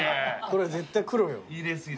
これ絶対黒よ。